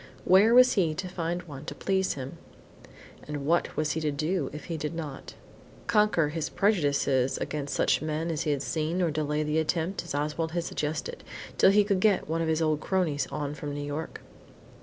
Where was he to find one to please him? And what was he to do if he did not? Conquer his prejudices against such men as he had seen, or delay the attempt, as Oswald had suggested, till he could get one of his old cronies on from New York.